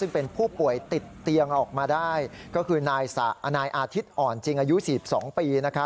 ซึ่งเป็นผู้ป่วยติดเตียงออกมาได้ก็คือนายอาทิตย์อ่อนจริงอายุ๔๒ปี